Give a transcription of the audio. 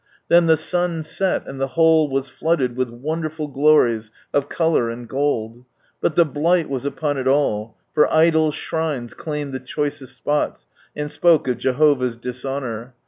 Then the sun set, and the whole was flooded with wonderful glories of colour and gold. But the blight was upon it all, for idol shrines claimed the choicest spots, and spoke of Jehovah's dishonour.